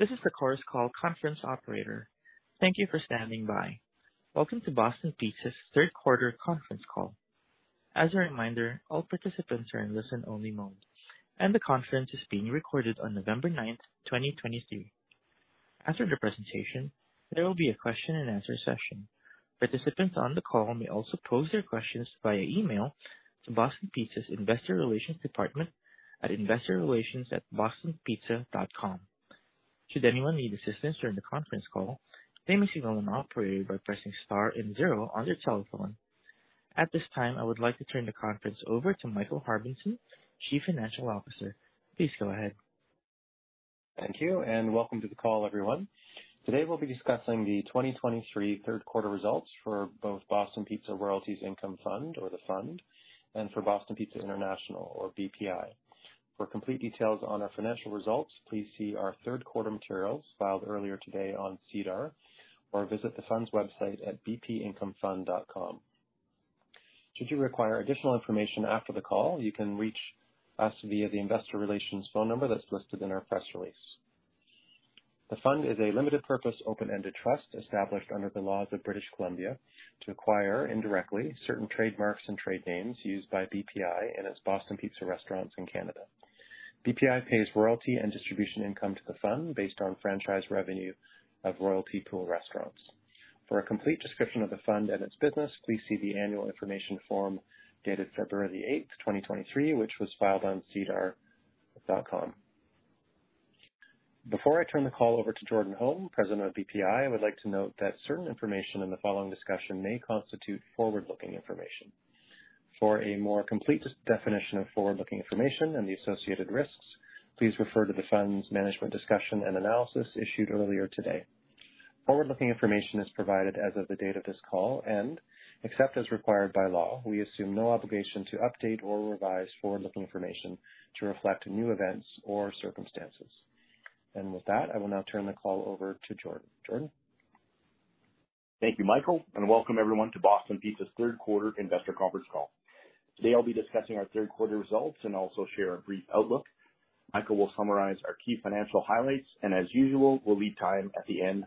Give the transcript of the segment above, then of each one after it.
Hello, this is the Chorus Call conference operator. Thank you for standing by. Welcome to Boston Pizza's third quarter conference call. As a reminder, all participants are in listen-only mode, and the conference is being recorded on November 9, 2023. After the presentation, there will be a question and answer session. Participants on the call may also pose their questions via email to Boston Pizza's Investor Relations Department at investorrelations@bostonpizza.com. Should anyone need assistance during the conference call, they may signal an operator by pressing star and zero on their telephone. At this time, I would like to turn the conference over to Michael Harbinson, Chief Financial Officer. Please go ahead. Thank you, and welcome to the call, everyone. Today we'll be discussing the 2023 third quarter results for both Boston Pizza Royalties Income Fund, or the Fund, and for Boston Pizza International, or BPI. For complete details on our financial results, please see our third quarter materials filed earlier today on SEDAR, or visit the Fund's website at bpincomefund.com. Should you require additional information after the call, you can reach us via the investor relations phone number that's listed in our press release. The Fund is a limited purpose, open-ended trust established under the laws of British Columbia to acquire, indirectly, certain trademarks and trade names used by BPI and its Boston Pizza restaurants in Canada. BPI pays royalty and distribution income to the Fund based on franchise revenue of royalty pool restaurants. For a complete description of the Fund and its business, please see the Annual Information Form dated February 8, 2023, which was filed on SEDAR.com. Before I turn the call over to Jordan Holm, President of BPI, I would like to note that certain information in the following discussion may constitute forward-looking information. For a more complete definition of forward-looking information and the associated risks, please refer to the Fund's Management Discussion and Analysis issued earlier today. Forward-looking information is provided as of the date of this call, and except as required by law, we assume no obligation to update or revise forward-looking information to reflect new events or circumstances. And with that, I will now turn the call over to Jordan. Jordan? Thank you, Michael, and welcome everyone to Boston Pizza's third quarter investor conference call. Today I'll be discussing our third quarter results and also share a brief outlook. Michael will summarize our key financial highlights, and as usual, we'll leave time at the end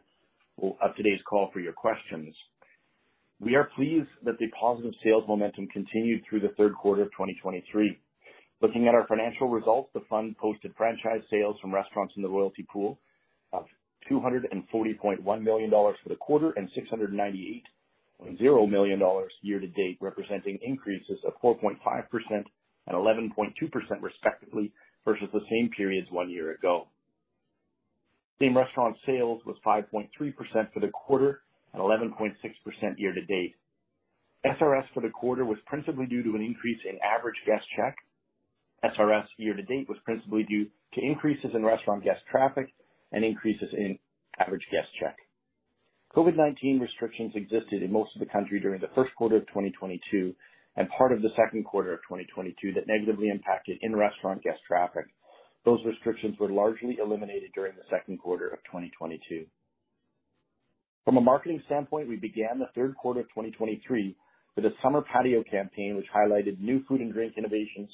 of today's call for your questions. We are pleased that the positive sales momentum continued through the third quarter of 2023. Looking at our financial results, the Fund posted Franchise Sales from restaurants in the Royalty Pool of 240.1 million dollars for the quarter and 698.0 million dollars year to date, representing increases of 4.5% and 11.2%, respectively, versus the same periods one year ago. Same-Restaurant Sales was 5.3% for the quarter and 11.6% year to date. SRS for the quarter was principally due to an increase in average guest check. SRS year to date was principally due to increases in restaurant guest traffic and increases in average guest check. COVID-19 restrictions existed in most of the country during the first quarter of 2022 and part of the second quarter of 2022 that negatively impacted in-restaurant guest traffic. Those restrictions were largely eliminated during the second quarter of 2022. From a marketing standpoint, we began the third quarter of 2023 with a summer patio campaign, which highlighted new food and drink innovations,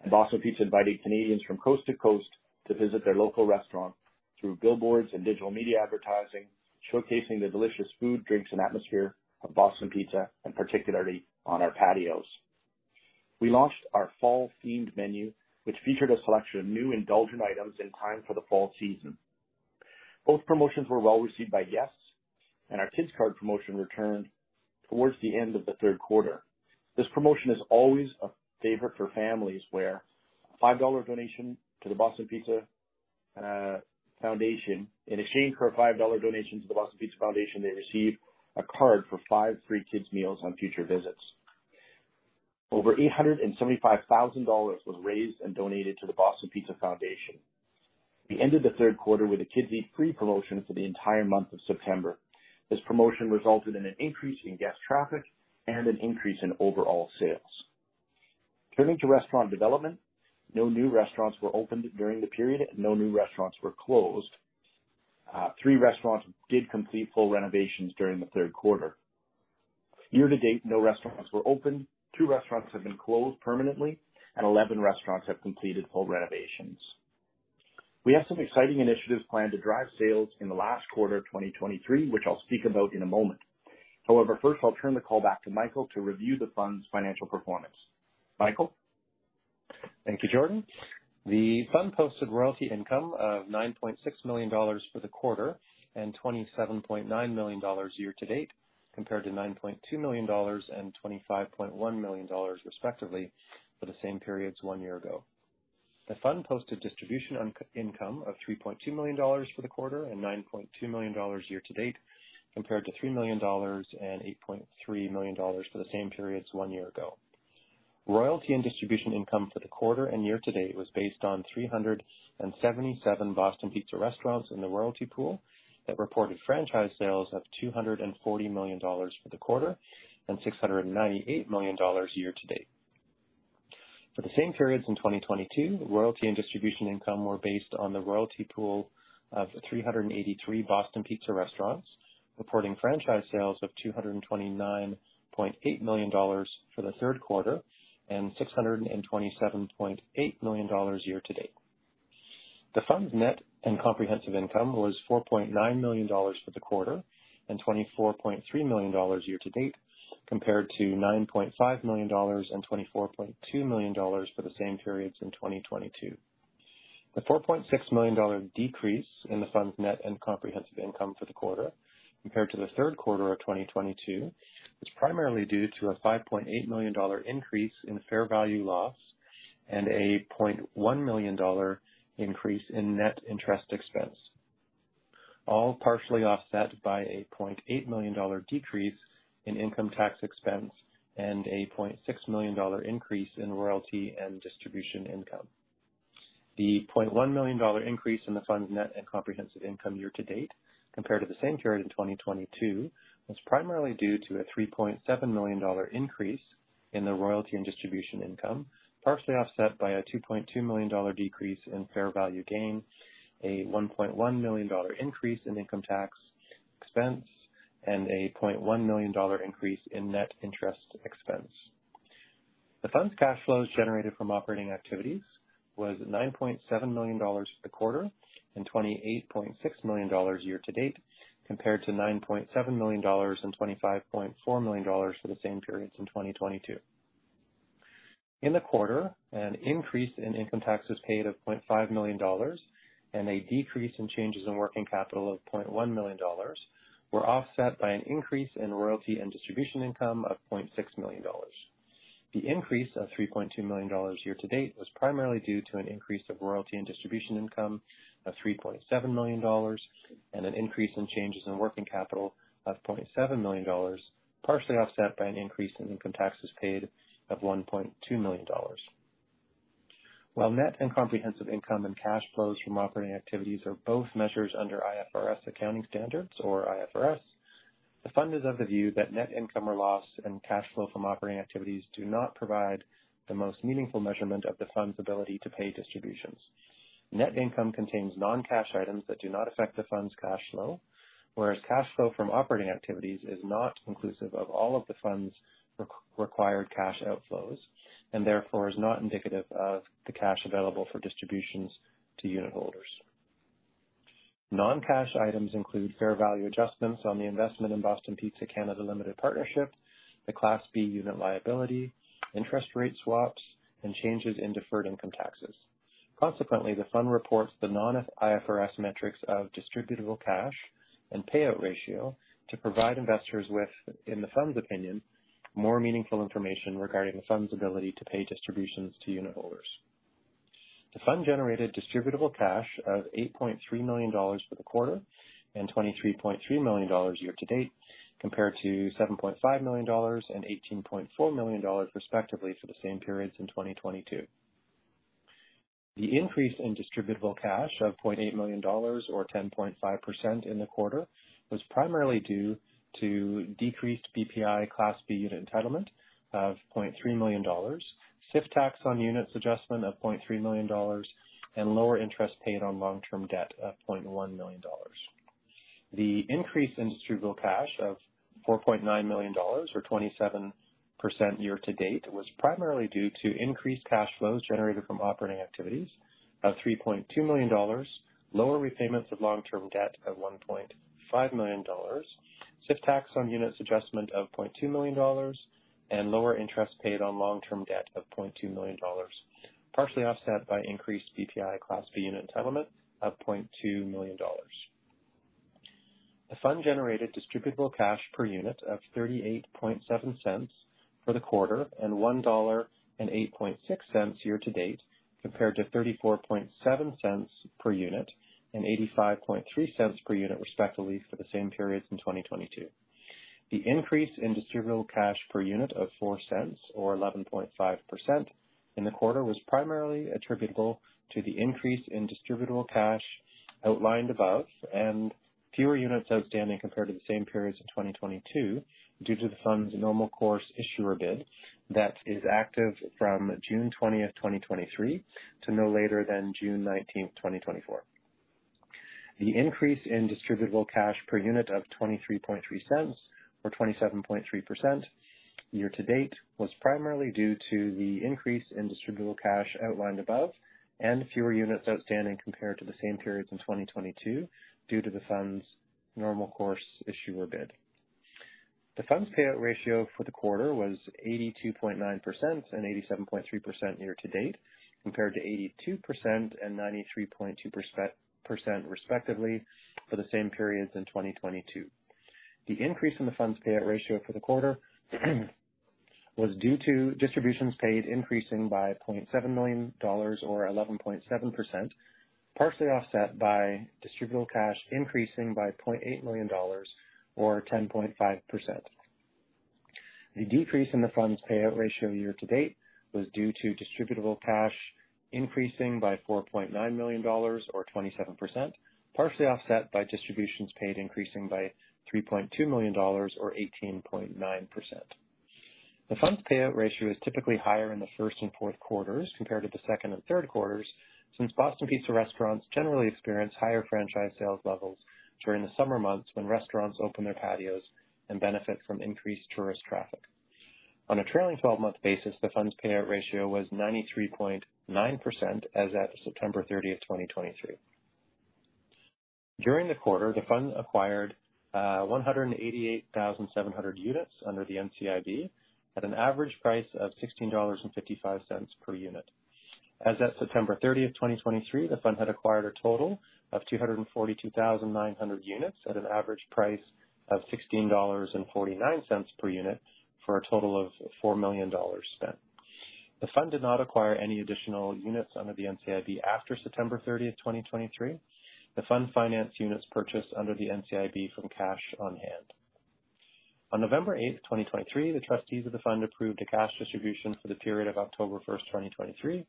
and Boston Pizza invited Canadians from coast to coast to visit their local restaurant through billboards and digital media advertising, showcasing the delicious food, drinks, and atmosphere of Boston Pizza, and particularly on our patios. We launched our fall-themed menu, which featured a selection of new indulgent items in time for the fall season. Both promotions were well received by guests, and our Kids Card promotion returned towards the end of the third quarter. This promotion is always a favorite for families, where a CAD 5 donation to the Boston Pizza Foundation, in exchange for a CAD 5 donation to the Boston Pizza Foundation, they receive a card for five free kids meals on future visits. Over 875,000 dollars was raised and donated to the Boston Pizza Foundation. We ended the third quarter with a Kids Eat Free promotion for the entire month of September. This promotion resulted in an increase in guest traffic and an increase in overall sales. Turning to restaurant development, no new restaurants were opened during the period, and no new restaurants were closed. Three restaurants did complete full renovations during the third quarter. Year to date, no restaurants were opened, 2 restaurants have been closed permanently, and 11 restaurants have completed full renovations. We have some exciting initiatives planned to drive sales in the last quarter of 2023, which I'll speak about in a moment. However, first, I'll turn the call back to Michael to review the Fund's financial performance. Michael? Thank you, Jordan. The Fund posted royalty income of 9.6 million dollars for the quarter and 27.9 million dollars year to date, compared to 9.2 million dollars and 25.1 million dollars, respectively, for the same periods one year ago. The Fund posted distribution income of 3.2 million dollars for the quarter and 9.2 million dollars year to date, compared to 3 million dollars and 8.3 million dollars for the same periods one year ago. Royalty and distribution income for the quarter and year to date was based on 377 Boston Pizza restaurants in the royalty pool that reported franchise sales of 240 million dollars for the quarter and 698 million dollars year to date. For the same periods in 2022, royalty and distribution income were based on the Royalty Pool of 383 Boston Pizza restaurants, reporting Franchise Sales of CAD 229.8 million for the third quarter, and CAD 627.8 million year to date. The Fund's net and comprehensive income was CAD 4.9 million for the quarter and CAD 24.3 million year to date, compared to CAD 9.5 million and CAD 24.2 million for the same periods in 2022. The CAD 4.6 million decrease in the Fund's net and comprehensive income for the quarter compared to the third quarter of 2022 is primarily due to a 5.8 million dollar increase in fair value loss and a 0.1 million dollar increase in net interest expense. All partially offset by a 0.8 million dollar decrease in income tax expense and a 0.6 million dollar increase in royalty and distribution income. The 0.1 million dollar increase in the fund's net and comprehensive income year to date compared to the same period in 2022, was primarily due to a 3.7 million dollar increase in the royalty and distribution income, partially offset by a 2.2 million dollar decrease in fair value gain, a 1.1 million dollar increase in income tax expense, and a 0.1 million dollar increase in net interest expense. The fund's cash flows generated from operating activities was 9.7 million dollars for the quarter and 28.6 million dollars year to date, compared to 9.7 million dollars and 25.4 million dollars for the same periods in 2022. In the quarter, an increase in income taxes paid of CAD 0.5 million and a decrease in changes in working capital of CAD 0.1 million, were offset by an increase in royalty and distribution income of CAD 0.6 million. The increase of CAD 3.2 million year to date was primarily due to an increase of royalty and distribution income of CAD 3.7 million, and an increase in changes in working capital of CAD 0.7 million, partially offset by an increase in income taxes paid of 1.2 million dollars. While net and comprehensive income and cash flows from operating activities are both measures under IFRS accounting standards or IFRS, the Fund is of the view that net income or loss and cash flow from operating activities do not provide the most meaningful measurement of the Fund's ability to pay distributions. Net income contains non-cash items that do not affect the fund's cash flow, whereas cash flow from operating activities is not inclusive of all of the fund's required cash outflows, and therefore is not indicative of the cash available for distributions to unitholders. Non-cash items include fair value adjustments on the investment in Boston Pizza Canada Limited Partnership, the Class B unit liability, interest rate swaps, and changes in deferred income taxes. Consequently, the fund reports the non-IFRS metrics of distributable cash and payout ratio to provide investors with, in the fund's opinion, more meaningful information regarding the fund's ability to pay distributions to unitholders. The fund generated distributable cash of 8.3 million dollars for the quarter and 23.3 million dollars year to date, compared to 7.5 million dollars and 18.4 million dollars, respectively, for the same periods in 2022. The increase in Distributable Cash of 0.8 million dollars or 10.5% in the quarter, was primarily due to decreased BPI Class B unit entitlement of 0.3 million dollars, SIFT tax on units adjustment of 0.3 million dollars, and lower interest paid on long-term debt of 0.1 million dollars. The increase in Distributable Cash of 4.9 million dollars, or 27% year to date, was primarily due to increased cash flows generated from operating activities of 3.2 million dollars, lower repayments of long-term debt of 1.5 million dollars, SIFT tax on units adjustment of 0.2 million dollars, and lower interest paid on long-term debt of 0.2 million dollars, partially offset by increased BPI Class B unit entitlement of 0.2 million dollars. The Fund generated Distributable Cash per unit of 0.387 for the quarter, and 1.086 dollar year to date, compared to 0.347 per unit and 0.853 per unit, respectively, for the same periods in 2022. The increase in Distributable Cash per unit of 0.04 or 11.5% in the quarter, was primarily attributable to the increase in Distributable Cash outlined above and fewer units outstanding compared to the same periods in 2022, due to the Fund's Normal Course Issuer Bid that is active from June 20, 2023, to no later than June 19, 2024. The increase in Distributable Cash per unit of 0.233 or 27.3% year-to-date was primarily due to the increase in Distributable Cash outlined above, and fewer units outstanding compared to the same periods in 2022 due to the Fund's Normal Course Issuer Bid. The Fund's Payout Ratio for the quarter was 82.9% and 87.3% year-to-date, compared to 82% and 93.2%, respectively, for the same periods in 2022. The increase in the Fund's Payout Ratio for the quarter was due to distributions paid increasing by 0.7 million dollars or 11.7%, partially offset by Distributable Cash increasing by 0.8 million dollars or 10.5%. The decrease in the Fund's Payout Ratio year to date was due to Distributable Cash increasing by 4.9 million dollars or 27%, partially offset by distributions paid increasing by 3.2 million dollars or 18.9%. The Fund's Payout Ratio is typically higher in the first and fourth quarters compared to the second and third quarters, since Boston Pizza restaurants generally experience higher Franchise Sales levels during the summer months when restaurants open their patios and benefit from increased tourist traffic. On a trailing twelve-month basis, the Fund's Payout Ratio was 93.9% as at September 30, 2023. During the quarter, the Fund acquired 188,700 units under the NCIB at an average price of 16.55 dollars per unit. As at September 30, 2023, the fund had acquired a total of 242,900 units at an average price of 16.49 dollars per unit, for a total of 4 million dollars spent. The fund did not acquire any additional units under the NCIB after September 30, 2023. The fund financed units purchased under the NCIB from cash on hand. On November 8, 2023, the trustees of the fund approved a cash distribution for the period of October 1, 2023,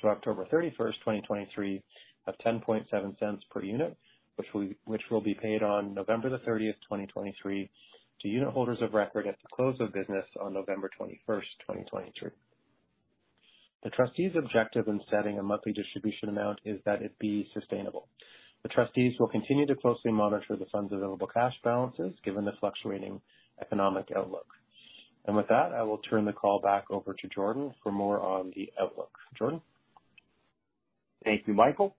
to October 31, 2023, of 0.107 per unit, which will be paid on November 30, 2023, to unitholders of record at the close of business on November 21, 2023. The trustees' objective in setting a monthly distribution amount is that it be sustainable. The trustees will continue to closely monitor the fund's available cash balances, given the fluctuating economic outlook. With that, I will turn the call back over to Jordan for more on the outlook. Jordan? Thank you, Michael.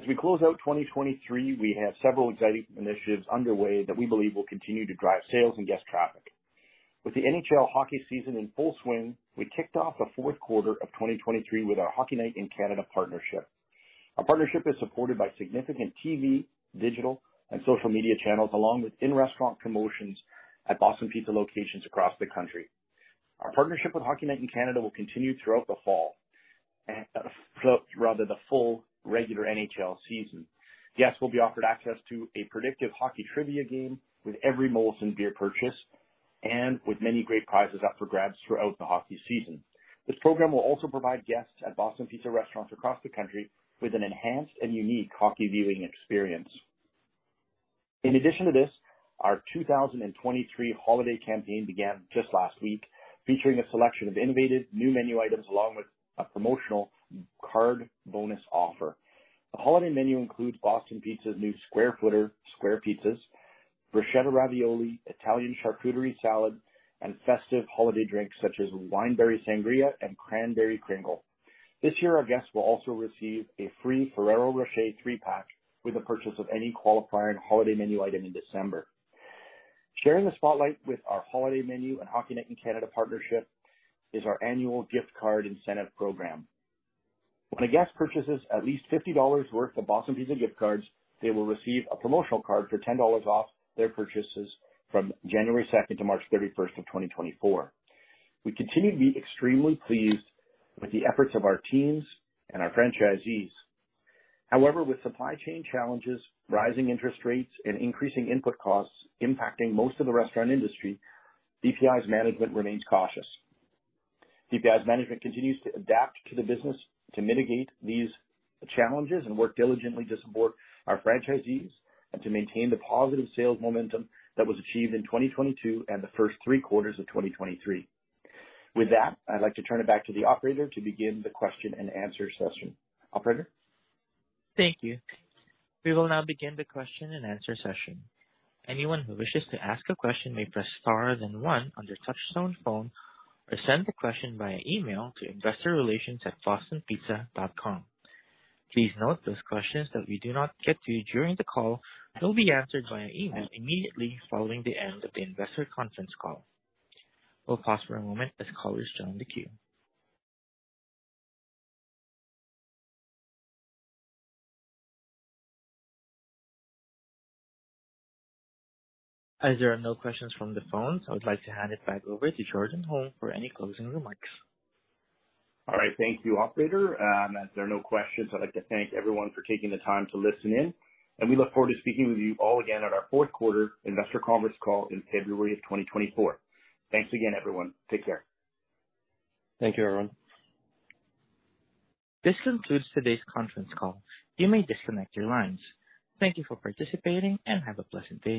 As we close out 2023, we have several exciting initiatives underway that we believe will continue to drive sales and guest traffic. With the NHL hockey season in full swing, we kicked off the fourth quarter of 2023 with our Hockey Night in Canada partnership. Our partnership is supported by significant TV, digital, and social media channels, along with in-restaurant promotions at Boston Pizza locations across the country. Our partnership with Hockey Night in Canada will continue throughout the fall, and, through rather the full regular NHL season. Guests will be offered access to a predictive hockey trivia game with every Molson beer purchase and with many great prizes up for grabs throughout the hockey season. This program will also provide guests at Boston Pizza restaurants across the country with an enhanced and unique hockey viewing experience. In addition to this, our 2023 holiday campaign began just last week, featuring a selection of innovative new menu items along with a promotional card bonus offer. The holiday menu includes Boston Pizza's new Square Footer, Square Pizzas, Bruschetta Ravioli, Italian Charcuterie Salad, and festive holiday drinks such as Winterberry Sangria and Cranberry Kringle. This year, our guests will also receive a free Ferrero Rocher 3-pack with a purchase of any qualifying holiday menu item in December. Sharing the spotlight with our holiday menu and Hockey Night in Canada partnership is our annual gift card incentive program. When a guest purchases at least 50 dollars worth of Boston Pizza gift cards, they will receive a promotional card for 10 dollars off their purchases from January 2 to March 31, 2024. We continue to be extremely pleased with the efforts of our teams and our franchisees. However, with supply chain challenges, rising interest rates, and increasing input costs impacting most of the restaurant industry, BPI's management remains cautious. BPI's management continues to adapt to the business to mitigate these challenges and work diligently to support our franchisees and to maintain the positive sales momentum that was achieved in 2022 and the first three quarters of 2023. With that, I'd like to turn it back to the operator to begin the question and answer session. Operator? Thank you. We will now begin the question and answer session. Anyone who wishes to ask a question may press star, then one on your touch-tone phone, or send the question via email to investorrelations@bostonpizza.com. Please note, those questions that we do not get to during the call will be answered via email immediately following the end of the investor conference call. We'll pause for a moment as callers join the queue. As there are no questions from the phones, I would like to hand it back over to Jordan Holm for any closing remarks. All right. Thank you, operator. As there are no questions, I'd like to thank everyone for taking the time to listen in, and we look forward to speaking with you all again at our fourth quarter investor conference call in February of 2024. Thanks again, everyone. Take care. Thank you, everyone. This concludes today's conference call. You may disconnect your lines. Thank you for participating and have a pleasant day.